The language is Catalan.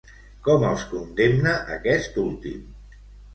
Com els condemna aquest últim?